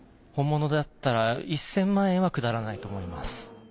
本物だったら１，０００万円は下らないと思います。